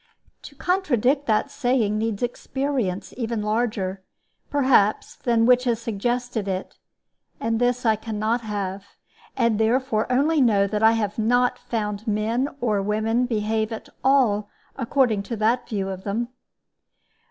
To contradict that saying needs experience even larger, perhaps, than that which has suggested it; and this I can not have, and therefore only know that I have not found men or women behave at all according to that view of them.